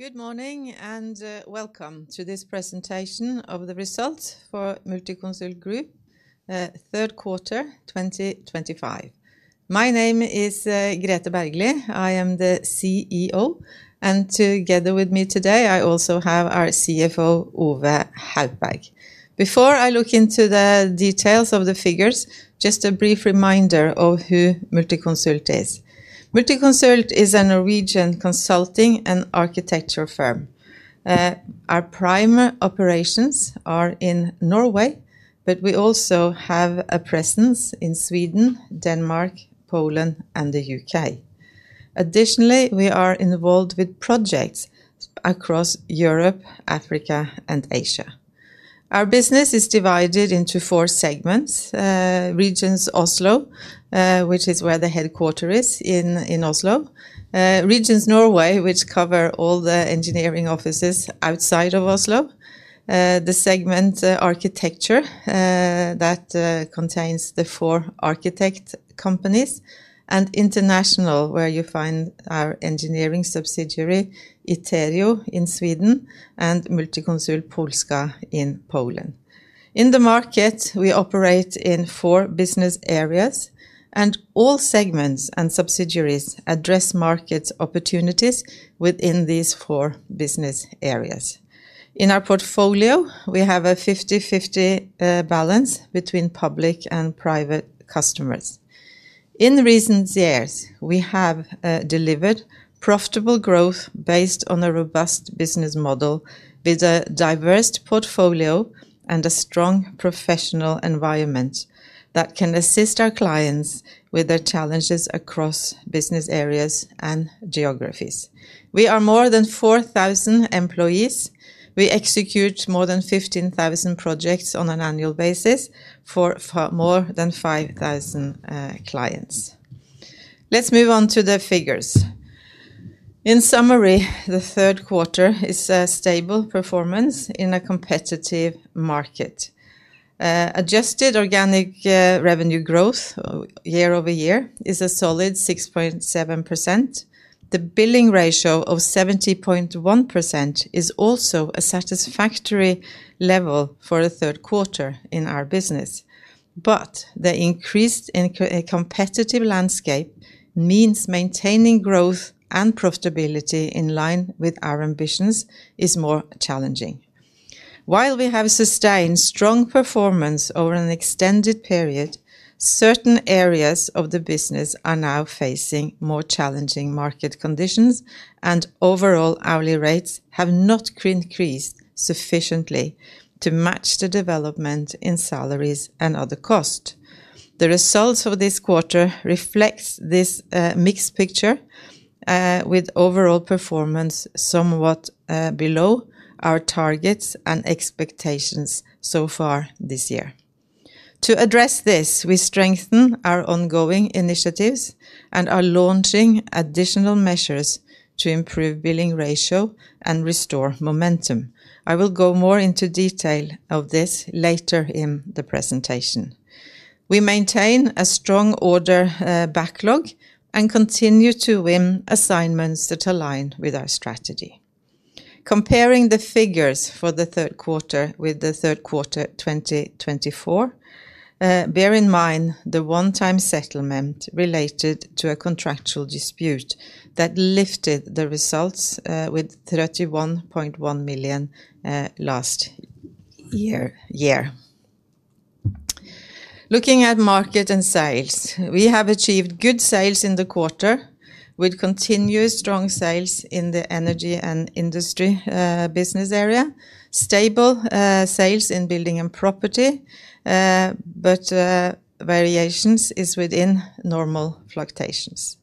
Good morning and welcome to this presentation of the results for Multiconsult Group Third Quarter 2025. My name is Grethe Bergly. I am the CEO, and together with me today, I also have our CFO, Ove Haupberg. Before I look into the details of the figures, just a brief reminder of who Multiconsult is. Multiconsult is a Norwegian consulting and architecture firm. Our primary operations are in Norway, but we also have a presence in Sweden, Denmark, Poland, and the U.K. Additionally, we are involved with projects across Europe, Africa, and Asia. Our business is divided into four segments. Regions Oslo, which is where the headquarter is in Oslo. Regions Norway, which cover all the engineering offices outside of Oslo. The segment architecture. That contains the four architect companies, and international, where you find our engineering subsidiary Iterio in Sweden and Multiconsult Polska in Poland. In the market, we operate in four business areas, and all segments and subsidiaries address market opportunities within these four business areas. In our portfolio, we have a 50/50 balance between public and private customers. In recent years, we have delivered profitable growth based on a robust business model with a diverse portfolio and a strong professional environment that can assist our clients with their challenges across business areas and geographies. We are more than 4,000 employees. We execute more than 15,000 projects on an annual basis for more than 5,000 clients. Let's move on to the figures. In summary, the third quarter is a stable performance in a competitive market. Adjusted organic revenue growth year over year is a solid 6.7%. The billing ratio of 70.1% is also a satisfactory level for the third quarter in our business. The increased competitive landscape means maintaining growth and profitability in line with our ambitions is more challenging. While we have sustained strong performance over an extended period. Certain areas of the business are now facing more challenging market conditions, and overall hourly rates have not increased sufficiently to match the development in salaries and other costs. The results of this quarter reflect this mixed picture. With overall performance somewhat below our targets and expectations so far this year. To address this, we strengthen our ongoing initiatives and are launching additional measures to improve billing ratio and restore momentum. I will go more into detail of this later in the presentation. We maintain a strong order backlog and continue to win assignments that align with our strategy. Comparing the figures for the third quarter with the third quarter 2024. Bear in mind the one-time settlement related to a contractual dispute that lifted the results with 31.1 million. Last year. Looking at market and sales, we have achieved good sales in the quarter with continued strong sales in the energy and industry business area, stable sales in building and property. Variations are within normal fluctuations.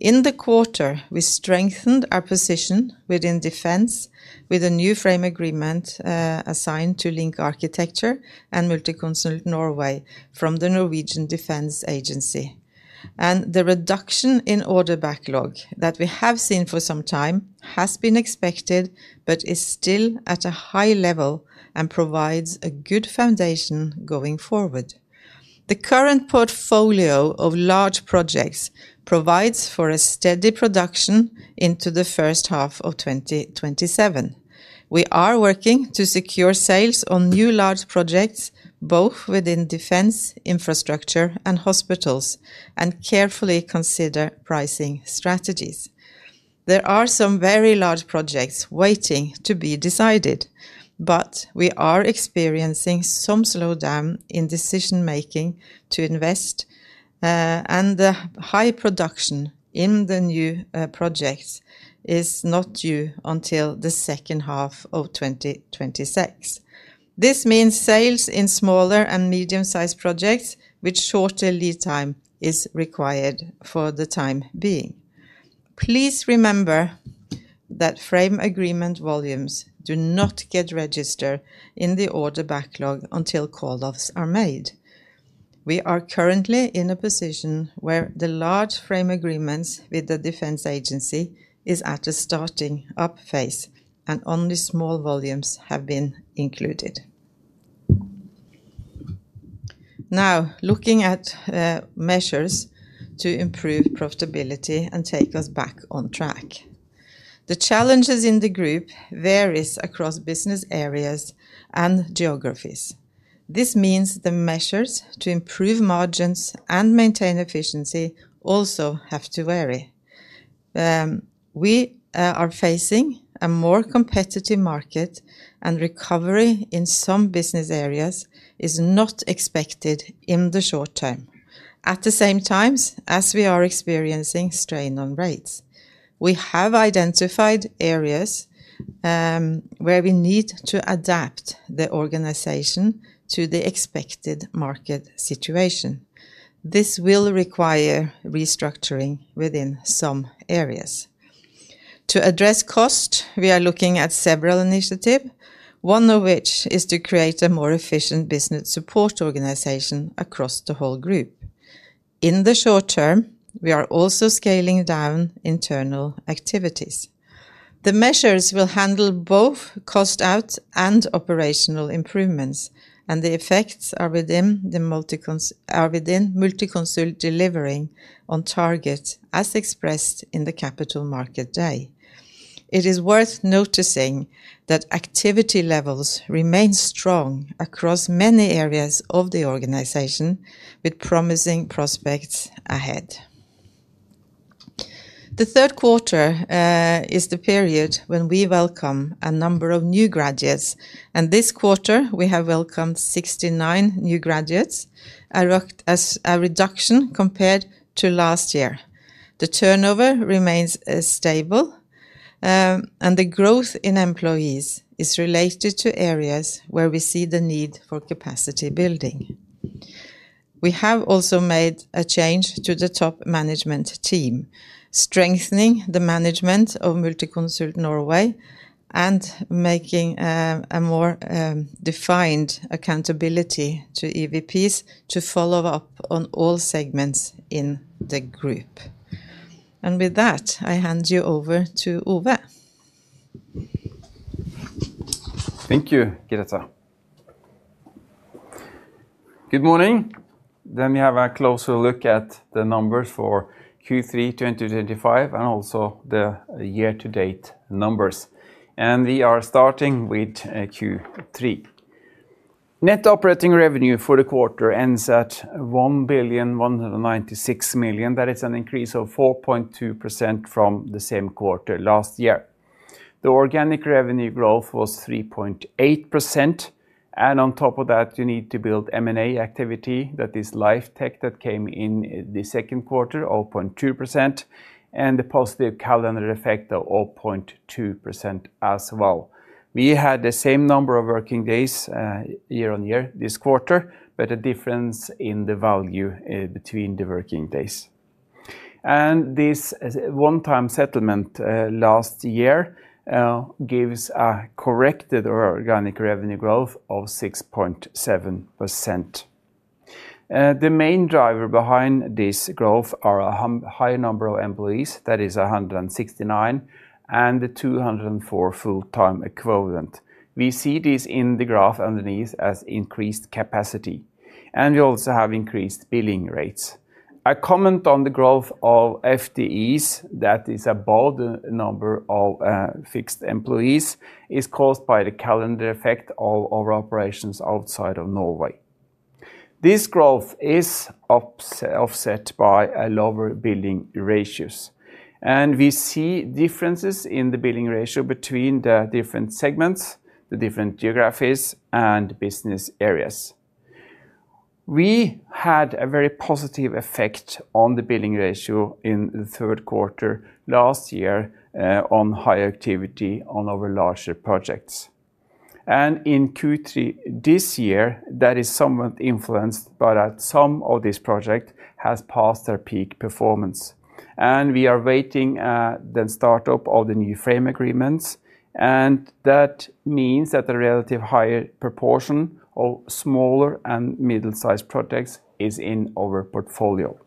In the quarter, we strengthened our position within defense with a new frame agreement. Assigned to LINK Architecture and Multiconsult Norway from the Norwegian Defence Agency. The reduction in order backlog that we have seen for some time has been expected but is still at a high level and provides a good foundation going forward. The current portfolio of large projects provides for a steady production into the first half of 2027. We are working to secure sales on new large projects, both within defense, infrastructure, and hospitals, and carefully consider pricing strategies. There are some very large projects waiting to be decided, but we are experiencing some slowdown in decision-making to invest. The high production in the new projects is not due until the second half of 2026. This means sales in smaller and medium-sized projects, which shorter lead time is required for the time being. Please remember that frame agreement volumes do not get registered in the order backlog until call-offs are made. We are currently in a position where the large frame agreements with the Defence Agency are at a starting-up phase, and only small volumes have been included. Now, looking at measures to improve profitability and take us back on track. The challenges in the group vary across business areas and geographies. This means the measures to improve margins and maintain efficiency also have to vary. We are facing a more competitive market, and recovery in some business areas is not expected in the short term, at the same time as we are experiencing strain on rates. We have identified areas where we need to adapt the organization to the expected market situation. This will require restructuring within some areas. To address costs, we are looking at several initiatives, one of which is to create a more efficient business support organization across the whole group. In the short term, we are also scaling down internal activities. The measures will handle both cost out and operational improvements, and the effects are within Multiconsult delivering on targets as expressed in the Capital Market Day. It is worth noticing that activity levels remain strong across many areas of the organization with promising prospects ahead. The third quarter is the period when we welcome a number of new graduates, and this quarter we have welcomed 69 new graduates, a reduction compared to last year. The turnover remains stable. The growth in employees is related to areas where we see the need for capacity building. We have also made a change to the top management team, strengthening the management of Multiconsult Norway and making a more defined accountability to EVPs to follow up on all segments in the group. With that, I hand you over to Ove. Thank you, Grethe. Good morning. We have a closer look at the numbers for Q3 2025 and also the year-to-date numbers. We are starting with Q3. Net operating revenue for the quarter ends at 1,196 million. That is an increase of 4.2% from the same quarter last year. The organic revenue growth was 3.8%. On top of that, you need to build M&A activity. That is Lifetec that came in the second quarter, 0.2%, and the positive calendar effect of 0.2% as well. We had the same number of working days year on year this quarter, but a difference in the value between the working days. This one-time settlement last year gives a corrected organic revenue growth of 6.7%. The main driver behind this growth is a high number of employees. That is 169 and 204 full-time equivalents. We see this in the graph underneath as increased capacity. We also have increased billing rates. A comment on the growth of FTEs, that is above the number of fixed employees, is caused by the calendar effect of our operations outside of Norway. This growth is offset by lower billing ratios. We see differences in the billing ratio between the different segments, the different geographies, and business areas. We had a very positive effect on the billing ratio in the third quarter last year on high activity on our larger projects. In Q3 this year, that is somewhat influenced by that some of these projects have passed their peak performance. We are waiting the start-up of the new frame agreements, and that means that a relatively higher proportion of smaller and middle-sized projects is in our portfolio.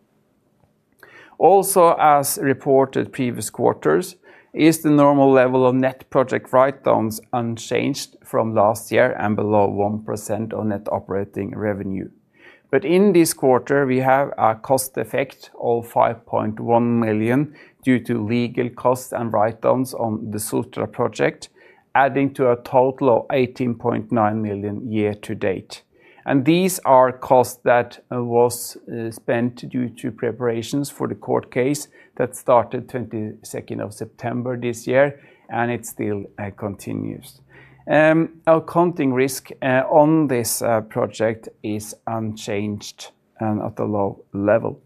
Also, as reported previous quarters, is the normal level of net project write-downs unchanged from last year and below 1% of net operating revenue. In this quarter, we have a cost effect of 5.1 million due to legal costs and write-downs on the Sultra project, adding to a total of 18.9 million year-to-date. These are costs that were spent due to preparations for the court case that started on the 22nd of September this year, and it still continues. Our accounting risk on this project is unchanged and at a low level.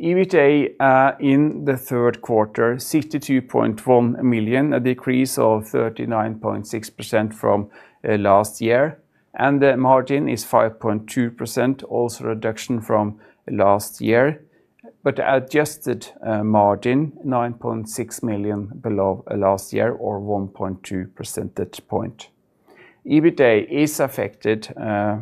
EBITDA in the third quarter, 62.1 million, a decrease of 39.6% from last year. The margin is 5.2%, also a reduction from last year, but an adjusted margin, 9.6 million below last year or 1.2% at that point. EBITDA is affected,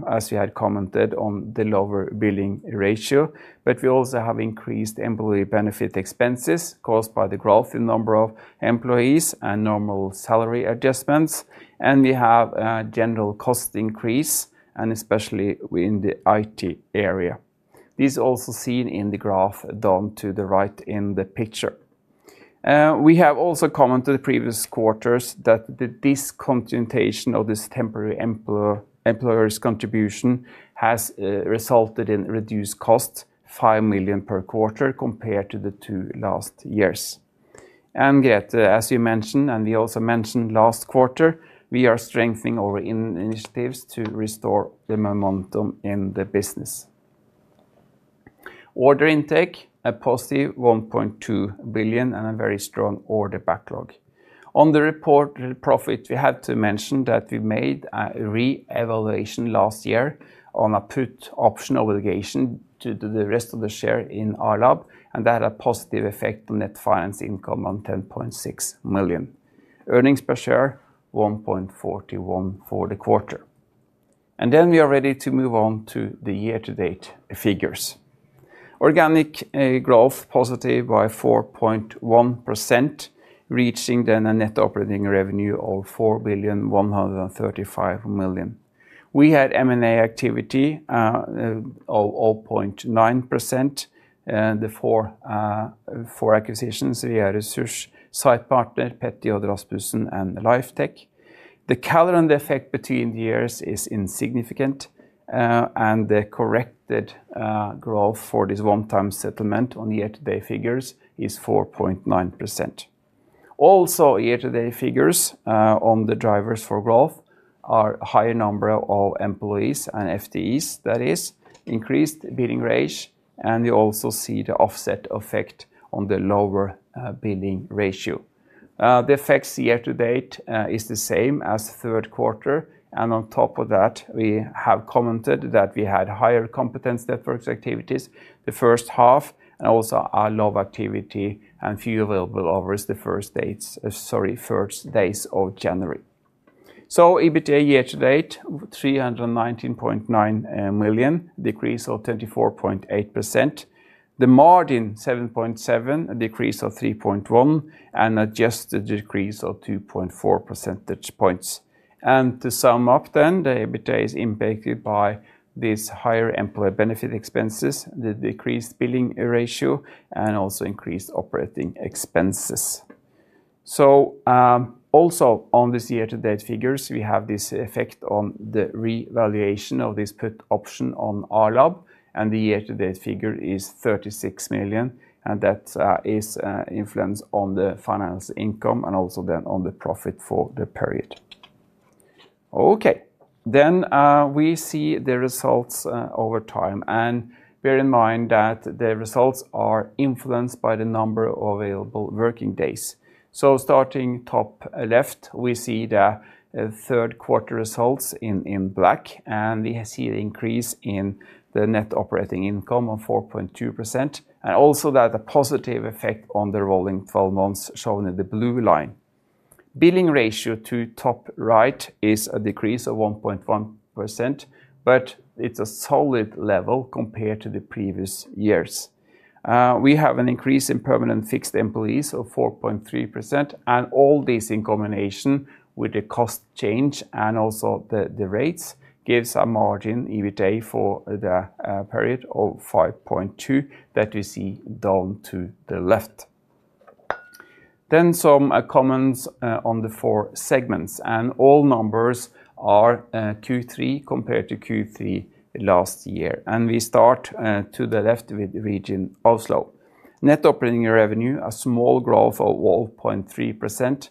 as we had commented, on the lower billing ratio, but we also have increased employee benefit expenses caused by the growth in the number of employees and normal salary adjustments. We have a general cost increase, and especially in the IT area. This is also seen in the graph drawn to the right in the picture. We have also commented in previous quarters that the discontinuation of this temporary employer's contribution has resulted in reduced costs, 5 million per quarter compared to the two last years. Grethe, as you mentioned, and we also mentioned last quarter, we are strengthening our initiatives to restore the momentum in the business. Order intake, a positive 1.2 billion and a very strong order backlog. On the reported profit, we have to mention that we made a re-evaluation last year on a put option obligation to the rest of the share in RLab, and that had a positive effect on net finance income of 10.6 million. Earnings per share, 1.41 for the quarter. We are ready to move on to the year-to-date figures. Organic growth positive by 4.1%. Reaching then a net operating revenue of 4,135 million. We had M&A activity of 0.9%. The four acquisitions. We had a research site partner, Petter Jens Rasmussen, and Lifetec. The calendar effect between the years is insignificant. The corrected growth for this one-time settlement on year-to-date figures is 4.9%. Also, year-to-date figures on the drivers for growth are a higher number of employees and FTEs, that is, increased billing rate, and we also see the offset effect on the lower billing ratio. The effects year-to-date are the same as the third quarter, and on top of that, we have commented that we had higher competence networks activities the first half and also a low activity and few available hours the first days of January. EBITDA year-to-date, 319.9 million, decrease of 24.8%. The margin, 7.7, a decrease of 3.1, and an adjusted decrease of 2.4 percentage points. To sum up then, the EBITDA is impacted by these higher employee benefit expenses, the decreased billing ratio, and also increased operating expenses. Also on these year-to-date figures, we have this effect on the re-evaluation of this put option on RLab, and the year-to-date figure is 36 million, and that is influenced on the finance income and also then on the profit for the period. Okay, we see the results over time, and bear in mind that the results are influenced by the number of available working days. Starting top left, we see the third quarter results in black, and we see the increase in the net operating income of 4.2%, and also that a positive effect on the rolling 12 months shown in the blue line. Billing ratio to top right is a decrease of 1.1%, but it is a solid level compared to the previous years. We have an increase in permanent fixed employees of 4.3%, and all this in combination with the cost change and also the rates gives a margin EBITDA for the period of 5.2 that we see down to the left. Some comments on the four segments, and all numbers are Q3 compared to Q3 last year. We start to the left with the region Oslo. Net operating revenue, a small growth of 1.3%.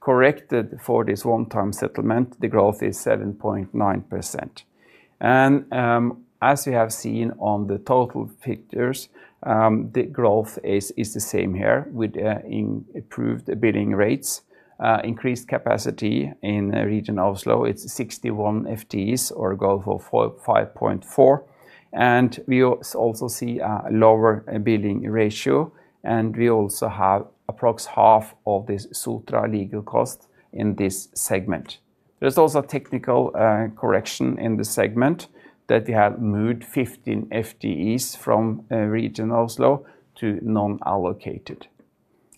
Corrected for this one-time settlement, the growth is 7.9%. As we have seen on the total pictures, the growth is the same here with improved billing rates, increased capacity in the region Oslo, it is 61 FTEs or a growth of 5.4. We also see a lower billing ratio, and we also have approximately half of this Sultra legal cost in this segment. There is also a technical correction in the segment that we have moved 15 FTEs from region Oslo to non-allocated.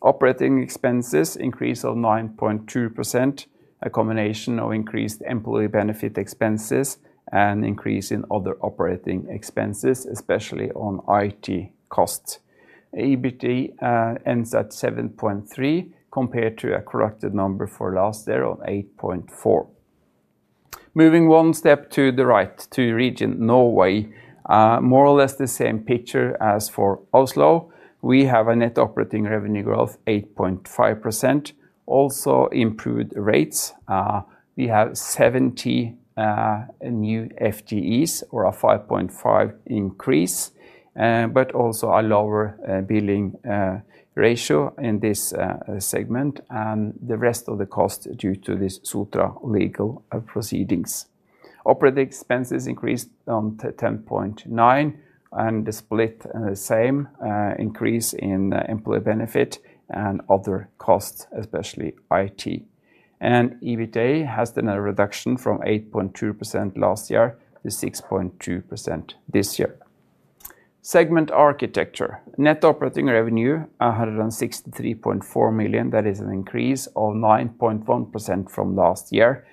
Operating expenses, increase of 9.2%, a combination of increased employee benefit expenses and increase in other operating expenses, especially on IT costs. EBITDA ends at 7.3 compared to a corrected number for last year of 8.4. Moving one step to the right to region Norway, more or less the same picture as for Oslo. We have a net operating revenue growth of 8.5%. Also improved rates. We have 70 new FTEs or a 5.5 increase, but also a lower billing ratio in this segment and the rest of the cost due to these Sultra legal proceedings. Operating expenses increased on 10.9 and the split the same, increase in employee benefit and other costs, especially IT. EBITDA has done a reduction from 8.2% last year to 6.2% this year. Segment architecture, net operating revenue 163.4 million, that is an increase of 9.1% from last year.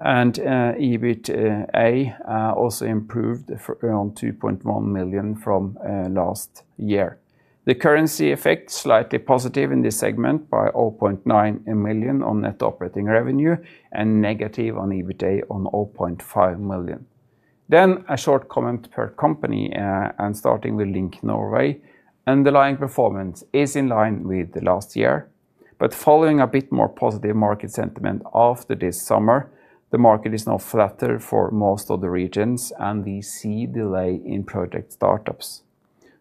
EBITDA also improved around 2.1 million from last year. The currency effect slightly positive in this segment by 0.9 million on net operating revenue and negative on EBITDA on 0.5 million. A short comment per company and starting with LINK Norway. Underlying performance is in line with last year, but following a bit more positive market sentiment after this summer, the market is now flatter for most of the regions and we see delay in project startups.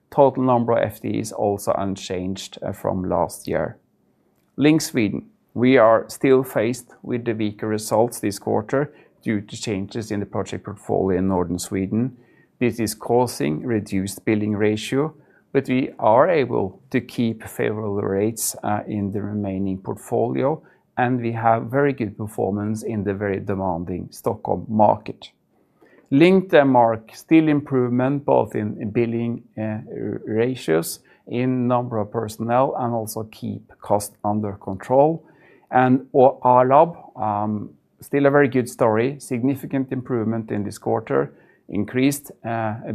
Total number of FTEs also unchanged from last year. LINK Sweden, we are still faced with the weaker results this quarter due to changes in the project portfolio in Northern Sweden. This is causing a reduced billing ratio, but we are able to keep favorable rates in the remaining portfolio and we have very good performance in the very demanding Stockholm market. LINK Denmark, still improvement both in billing ratios, in number of personnel and also keep cost under control. RLab, still a very good story, significant improvement in this quarter, increased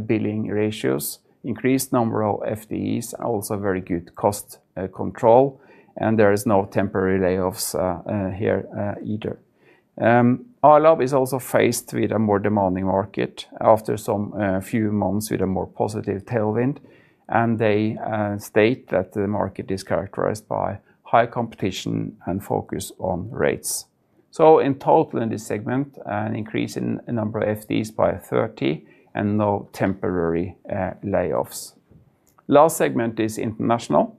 billing ratios, increased number of FTEs and also very good cost control. There is no temporary layoffs here either. RLab is also faced with a more demanding market after some few months with a more positive tailwind, and they state that the market is characterized by high competition and focus on rates. In total in this segment, an increase in the number of FTEs by 30 and no temporary layoffs. Last segment is international.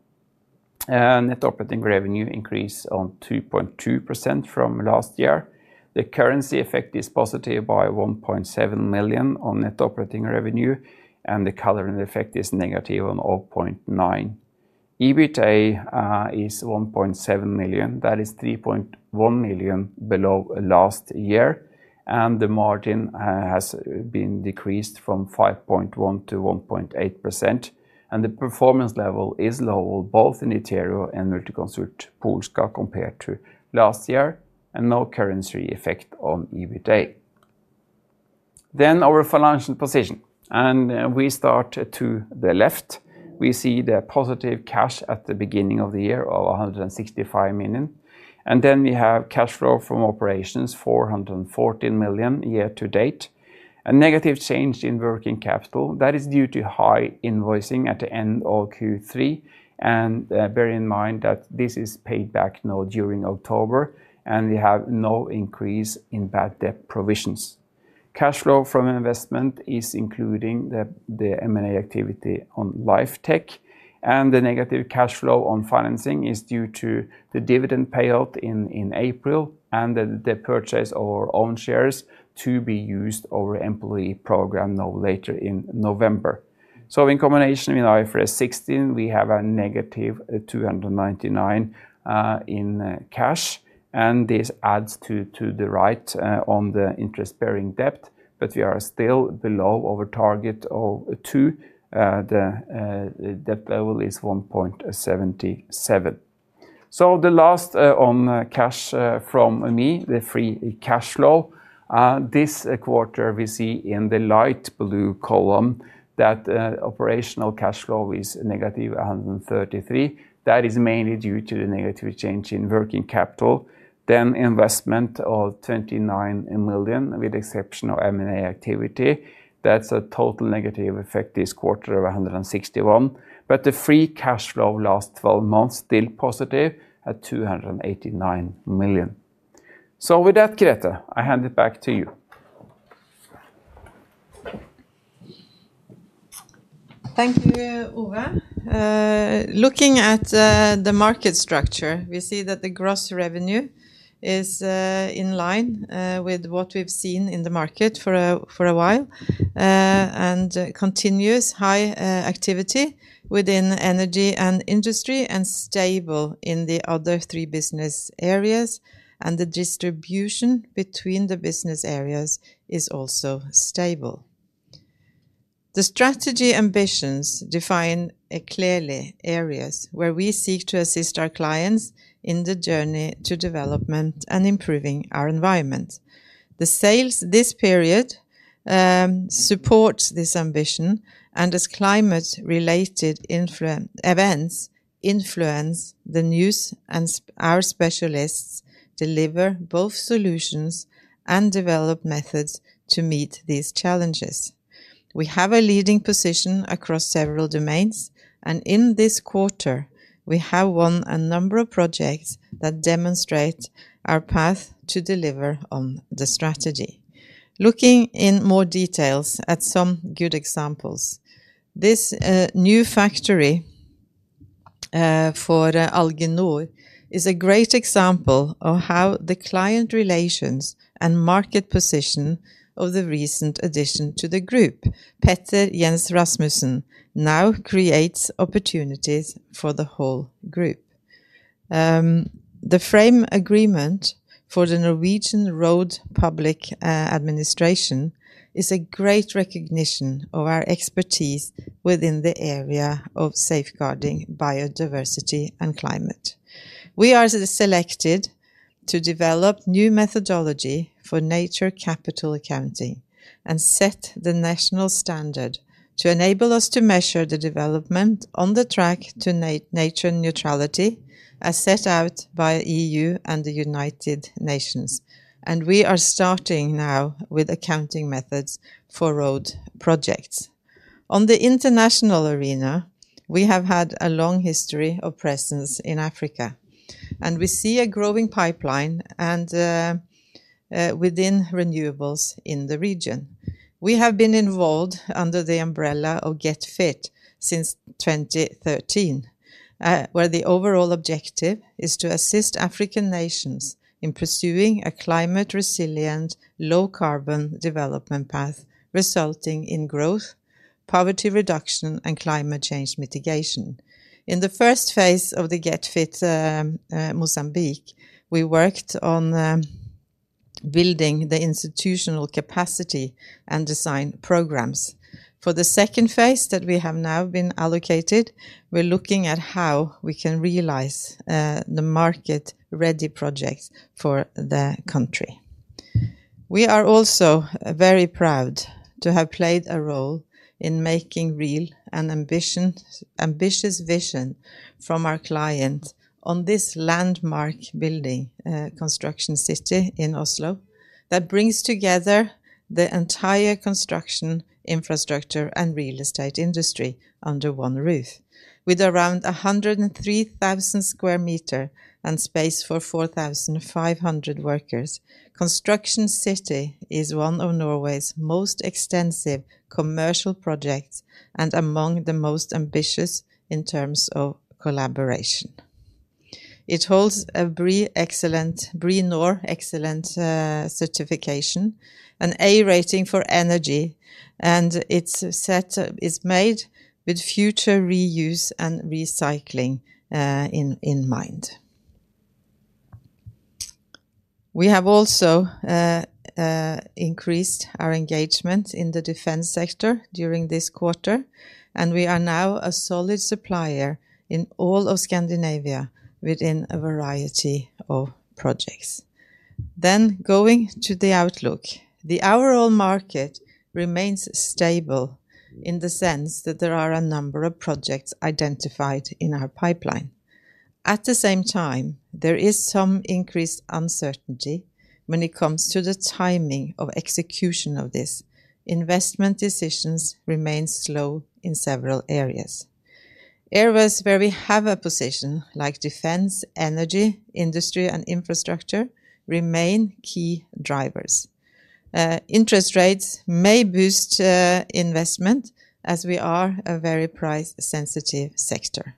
Net operating revenue increased on 2.2% from last year. The currency effect is positive by 1.7 million on net operating revenue and the calendar effect is negative on 0.9 million. EBITDA is 1.7 million, that is 3.1 million below last year, and the margin has been decreased from 5.1% to 1.8%. The performance level is lower both in Iterio and Multiconsult Polska compared to last year and no currency effect on EBITDA. Our financial position, and we start to the left. We see the positive cash at the beginning of the year of 165 million. We have cash flow from operations 414 million year-to-date. A negative change in working capital that is due to high invoicing at the end of Q3. Bear in mind that this is paid back now during October and we have no increase in bad debt provisions. Cash flow from investment is including the M&A activity on Lifetec and the negative cash flow on financing is due to the dividend payout in April and the purchase of our own shares to be used over employee program now later in November. In combination with IFRS 16, we have a negative 299 million in cash, and this adds to the right on the interest-bearing debt, but we are still below our target of 2. The debt level is 1.77. The last on cash from me, the free cash flow. This quarter we see in the light blue column that operational cash flow is negative 133 million. That is mainly due to the negative change in working capital. Investment of 29 million with the exception of M&A activity. That is a total negative effect this quarter of 161 million, but the free cash flow last 12 months still positive at 289 million. With that, Grethe, I hand it back to you. Thank you, Ove. Looking at the market structure, we see that the gross revenue is in line with what we've seen in the market for a while. Continuous high activity within energy and industry and stable in the other three business areas. The distribution between the business areas is also stable. The strategy ambitions define clearly areas where we seek to assist our clients in the journey to development and improving our environment. The sales this period support this ambition and as climate-related events influence the news and our specialists deliver both solutions and develop methods to meet these challenges. We have a leading position across several domains, and in this quarter, we have won a number of projects that demonstrate our path to deliver on the strategy. Looking in more details at some good examples, this new factory for Alginor is a great example of how the client relations and market position of the recent addition to the group, Petter Jens Rasmussen, now creates opportunities for the whole group. The frame agreement for the Norwegian Public Roads Administration is a great recognition of our expertise within the area of safeguarding biodiversity and climate. We are selected to develop new methodology for nature capital accounting and set the national standard to enable us to measure the development on the track to nature neutrality as set out by the EU and the United Nations. We are starting now with accounting methods for road projects. On the international arena, we have had a long history of presence in Africa, and we see a growing pipeline within renewables in the region. We have been involved under the umbrella of GET FiT since 2013, where the overall objective is to assist African nations in pursuing a climate-resilient, low-carbon development path resulting in growth, poverty reduction, and climate change mitigation. In the first phase of GET FiT Mozambique, we worked on building the institutional capacity and design programs. For the second phase that we have now been allocated, we are looking at how we can realize the market-ready projects for the country. We are also very proud to have played a role in making real an ambitious vision from our client on this landmark building, Construction City in Oslo, that brings together the entire construction, infrastructure, and real estate industry under one roof. With around 103,000 sq m and space for 4,500 workers, Construction City is one of Norway's most extensive commercial projects and among the most ambitious in terms of collaboration. It holds a BREEAM-NOR Excellent certification, an A rating for energy, and it is made with future reuse and recycling in mind. We have also increased our engagement in the defense sector during this quarter, and we are now a solid supplier in all of Scandinavia within a variety of projects. Going to the outlook, the overall market remains stable in the sense that there are a number of projects identified in our pipeline. At the same time, there is some increased uncertainty when it comes to the timing of execution of this. Investment decisions remain slow in several areas. Areas where we have a position like defense, energy, industry, and infrastructure remain key drivers. Interest rates may boost investment as we are a very price-sensitive sector.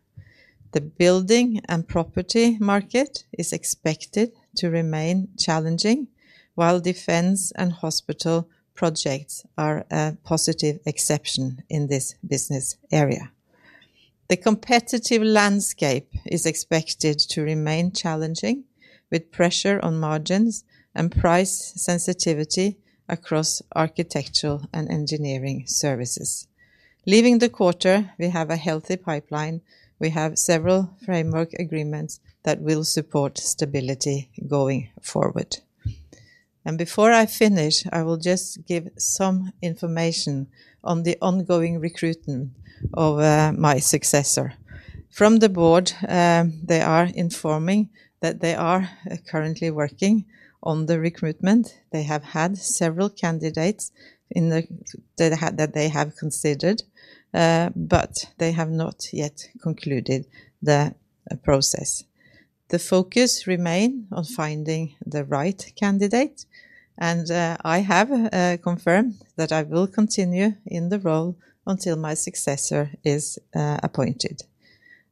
The building and property market is expected to remain challenging while defense and hospital projects are a positive exception in this business area. The competitive landscape is expected to remain challenging with pressure on margins and price sensitivity across architectural and engineering services. Leaving the quarter, we have a healthy pipeline. We have several framework agreements that will support stability going forward. Before I finish, I will just give some information on the ongoing recruitment of my successor. From the board, they are informing that they are currently working on the recruitment. They have had several candidates that they have considered, but they have not yet concluded the process. The focus remains on finding the right candidate, and I have confirmed that I will continue in the role until my successor is appointed.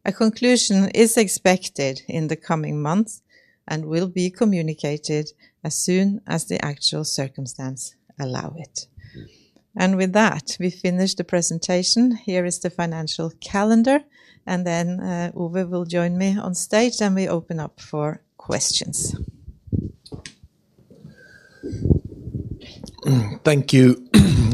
A conclusion is expected in the coming months and will be communicated as soon as the actual circumstances allow it. With that, we finish the presentation. Here is the financial calendar, and then Ove will join me on stage and we open up for questions. Thank you.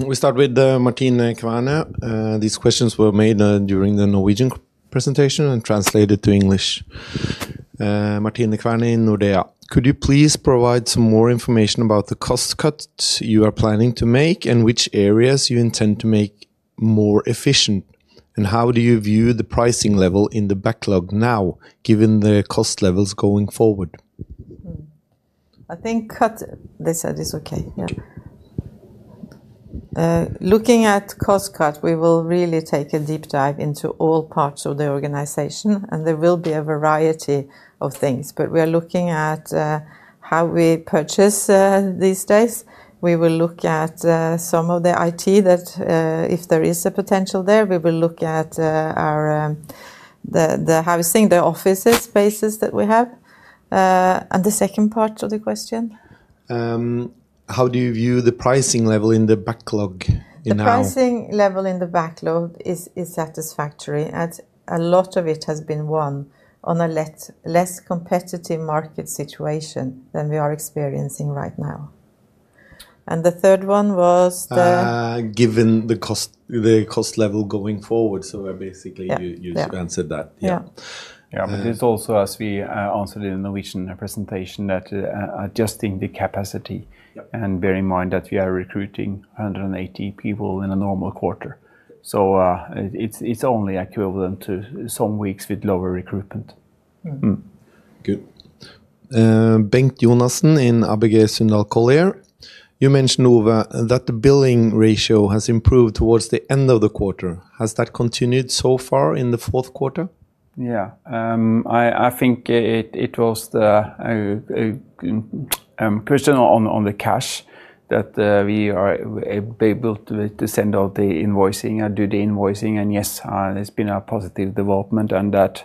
We start with Martin Kverne. These questions were made during the Norwegian presentation and translated to English. Martin Kverne Nordea, could you please provide some more information about the cost cuts you are planning to make and which areas you intend to make more efficient? How do you view the pricing level in the backlog now, given the cost levels going forward? I think cut, they said it's okay. Yeah. Looking at cost cuts, we will really take a deep dive into all parts of the organization, and there will be a variety of things. We are looking at how we purchase these days. We will look at some of the IT that, if there is a potential there, we will look at the housing, the offices, spaces that we have. The second part of the question? How do you view the pricing level in the backlog? The pricing level in the backlog is satisfactory as a lot of it has been won on a less competitive market situation than we are experiencing right now. The third one was the... Given the cost level going forward. Basically you answered that. Yeah. Yeah, but it's also as we answered in the Norwegian presentation that adjusting the capacity and bear in mind that we are recruiting 180 people in a normal quarter. It is only equivalent to some weeks with lower recruitment. Good. Bengt Jonassen in ABG Sundal Collier, you mentioned, Ove, that the billing ratio has improved towards the end of the quarter. Has that continued so far in the fourth quarter? Yeah. I think it was the question on the cash that we are able to send out the invoicing and do the invoicing. Yes, there's been a positive development and that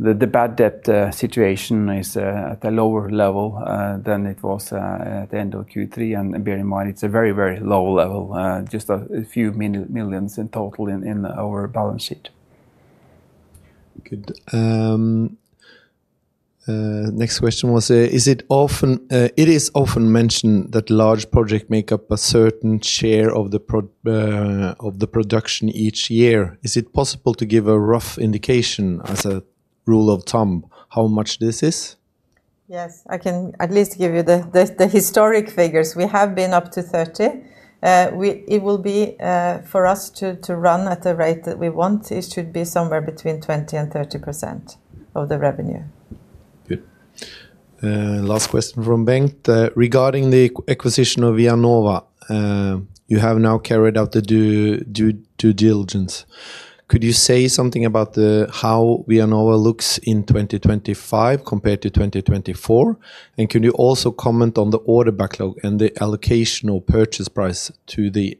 the bad debt situation is at a lower level than it was at the end of Q3. Bear in mind, it's a very, very low level, just a few millions in total in our balance sheet. Good. Next question was, it is often mentioned that large projects make up a certain share of the production each year. Is it possible to give a rough indication as a rule of thumb how much this is? Yes, I can at least give you the historic figures. We have been up to 30. It will be for us to run at the rate that we want. It should be somewhere between 20-30% of the revenue. Good. Last question from Bengt regarding the acquisition of ViaNova. You have now carried out the due diligence. Could you say something about how ViaNova looks in 2025 compared to 2024? Can you also comment on the order backlog and the allocation of purchase price to the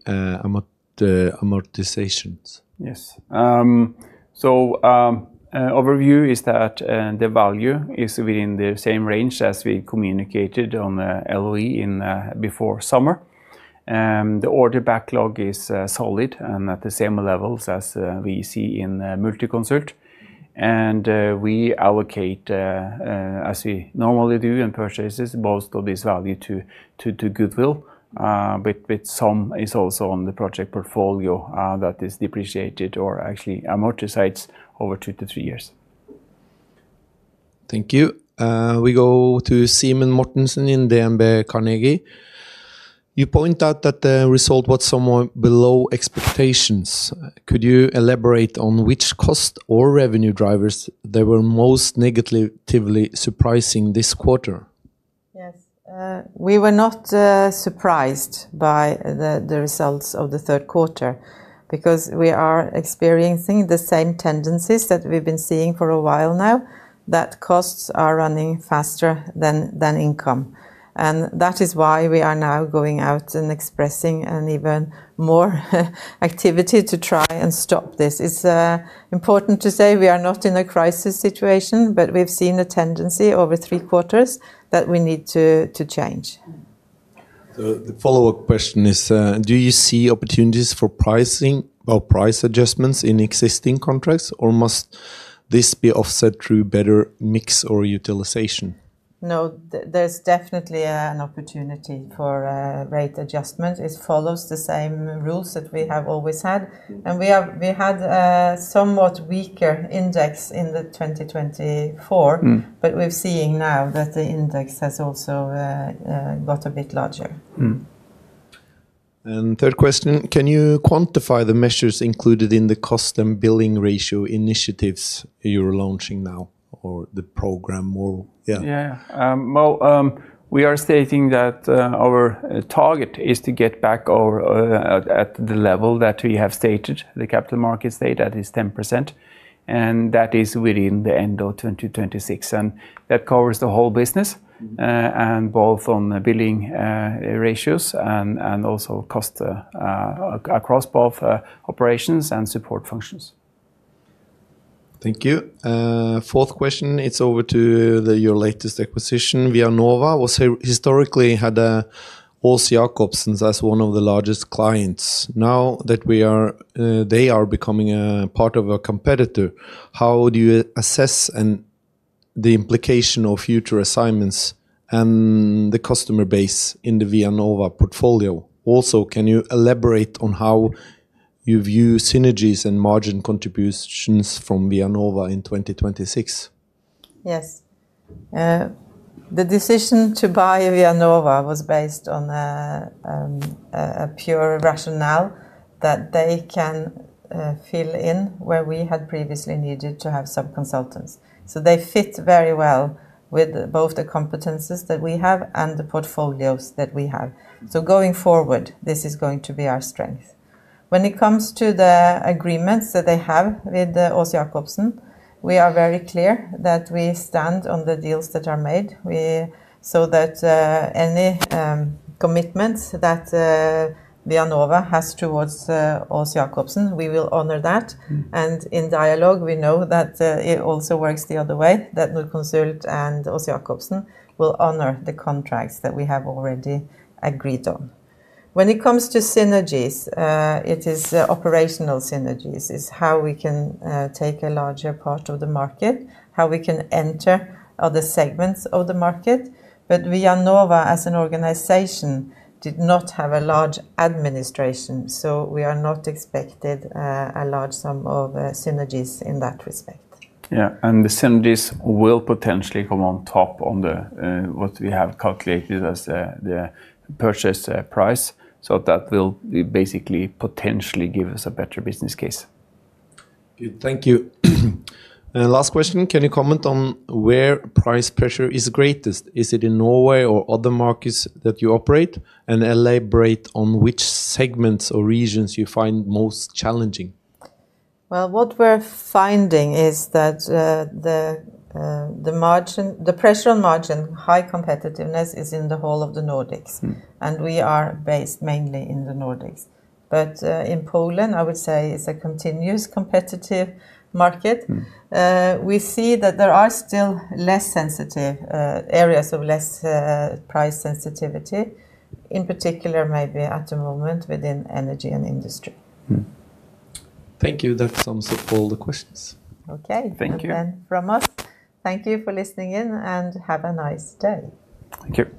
amortizations? Yes. Overview is that the value is within the same range as we communicated on the LOI before summer. The order backlog is solid and at the same levels as we see in Multiconsult. We allocate, as we normally do in purchases, most of this value to goodwill, but some is also on the project portfolio that is depreciated or actually amortized over two to three years. Thank you. We go to Simon Mortensen in DNB Carnegie. You point out that the result was somewhat below expectations. Could you elaborate on which cost or revenue drivers were most negatively surprising this quarter? Yes. We were not surprised by the results of the third quarter because we are experiencing the same tendencies that we've been seeing for a while now, that costs are running faster than income. That is why we are now going out and expressing even more activity to try and stop this. It's important to say we are not in a crisis situation, but we've seen a tendency over three quarters that we need to change. The follow-up question is, do you see opportunities for pricing or price adjustments in existing contracts, or must this be offset through better mix or utilization? No, there's definitely an opportunity for rate adjustment. It follows the same rules that we have always had. We had a somewhat weaker index in 2024, but we're seeing now that the index has also got a bit larger. Third question, can you quantify the measures included in the custom billing ratio initiatives you're launching now or the program? Yeah. We are stating that our target is to get back at the level that we have stated, the capital market state, that is 10%. That is within the end of 2026. That covers the whole business, both on the billing ratios and also cost, across both operations and support functions. Thank you. Fourth question, it's over to your latest acquisition, ViaNova, which historically had [Aas-Jakobsen] as one of the largest clients. Now that they are becoming a part of a competitor, how do you assess the implication of future assignments and the customer base in the ViaNova portfolio? Also, can you elaborate on how you view synergies and margin contributions from ViaNova in 2026? Yes. The decision to buy ViaNova was based on a pure rationale that they can fill in where we had previously needed to have sub-consultants. They fit very well with both the competencies that we have and the portfolios that we have. Going forward, this is going to be our strength. When it comes to the agreements that they have with Aas-Jakobsen, we are very clear that we stand on the deals that are made, so that any commitments that. ViaNova has towards Aas-Jakobsen, we will honor that. In dialogue, we know that it also works the other way, that Multiconsult and Aas-Jakobsen will honor the contracts that we have already agreed on. When it comes to synergies, it is operational synergies. It's how we can take a larger part of the market, how we can enter other segments of the market. ViaNova, as an organization, did not have a large administration, so we are not expecting a large sum of synergies in that respect. Yeah. The synergies will potentially come on top of what we have calculated as the purchase price. That will basically potentially give us a better business case. Good. Thank you. Last question. Can you comment on where price pressure is greatest? Is it in Norway or other markets that you operate? And elaborate on which segments or regions you find most challenging. What we're finding is that the pressure on margin, high competitiveness, is in the whole of the Nordics. We are based mainly in the Nordics. In Poland, I would say it's a continuous competitive market. We see that there are still less sensitive areas of less price sensitivity, in particular maybe at the moment within energy and industry. Thank you. That sums up all the questions. Okay. Thank you. From us, thank you for listening in and have a nice day. Thank you.